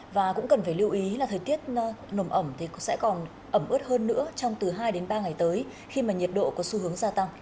và cũng cần phải lưu ý là thời tiết nồm ẩm thì sẽ còn ẩm ướt hơn nữa trong từ hai đến ba ngày tới khi mà nhiệt độ có xu hướng gia tăng